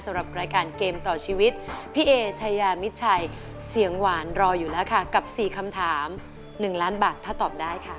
สำหรับรายการเกมต่อชีวิตพี่เอชายามิดชัยเสียงหวานรออยู่แล้วค่ะกับ๔คำถาม๑ล้านบาทถ้าตอบได้ค่ะ